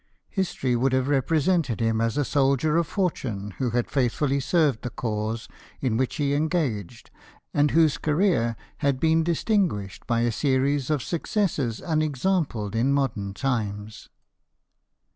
History would have represented him as a soldier of fortune, who had faithfully served the cause in which he engaged, and whose career had been distinguished by a series of successes unexampled m modern times.